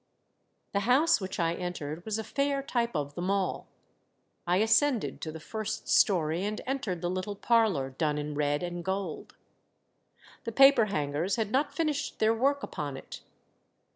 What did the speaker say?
The house which I entered was a fair type of them all. I ascended to the first story and entered the little parlor, done in red and gold. The paper hangers had not finished their work upon it.